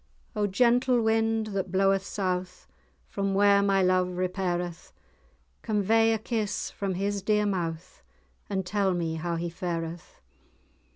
"O gentle wind, that bloweth south, From where my love repaireth, Convey a kiss from his dear mouth, And tell me how he fareth!